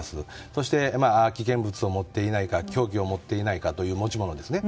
そして、危険物を持っていないか凶器を持っていないかという持ち物ですね。